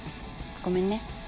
ごめんね。